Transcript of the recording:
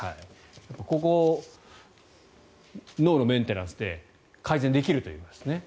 ここ、脳のメンテナンスで改善できるということですね。